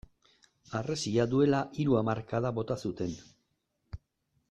Harresia duela hiru hamarkada bota zuten.